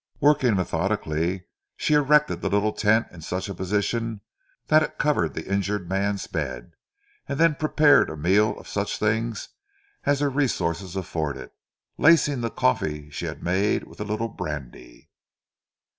Working methodically she erected the little tent in such a position that it covered the injured man's bed; and then prepared a meal of such things as their resources afforded, lacing the coffee she had made with a little brandy.